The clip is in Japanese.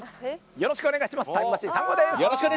よろしくお願いします！